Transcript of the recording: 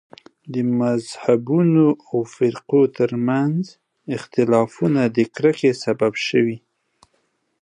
د مذهبونو او فرقو تر منځ اختلافونه د کرکې سبب شوي.